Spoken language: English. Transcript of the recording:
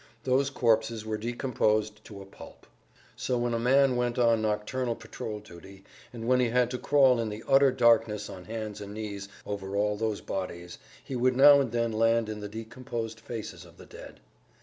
Those corpses were decomposed to a pulp. So when a man went on nocturnal patrol duty and when he had to crawl in the utter darkness on hands and knees over all those bodies he would now and then land in the decomposed faces of the dead.